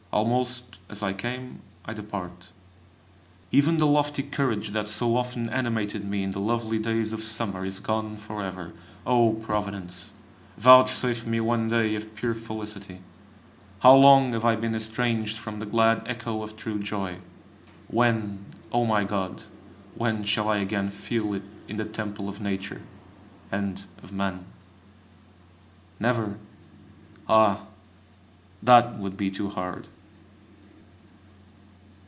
Almost as I came, I depart. Even the lofty courage that so often animated me in the lovely days of summer is gone forever. O Providence! vouchsafe me one day of pure felicity! How long have I been estranged from the glad echo of true joy! When! O my God! when shall I again feel it in the temple of Nature and of man? never? Ah! that would be too hard!